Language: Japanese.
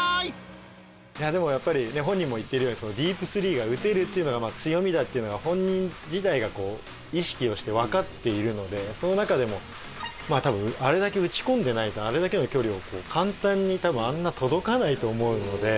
やっぱり本人も言ってるようにディープスリーが打てるっていうのが強みだっていうのは本人自体が意識をしてわかっているのでその中でも多分あれだけ打ち込んでないとあれだけの距離をこう簡単に多分あんな届かないと思うので。